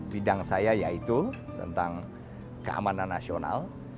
bidang saya yaitu tentang keamanan nasional